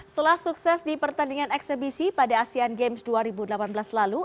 setelah sukses di pertandingan eksebisi pada asean games dua ribu delapan belas lalu